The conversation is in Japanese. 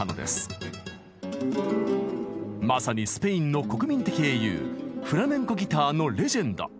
まさにスペインの国民的英雄フラメンコギターのレジェンド。